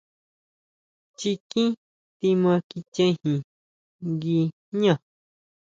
Chikin tima kichejin nguijñá.